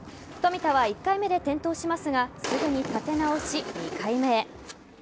冨田は１回目で転倒しますがすぐに立て直し２回目へ。